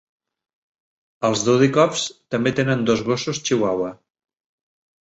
Els Dudikoffs també tenen dos gossos Chihuahua.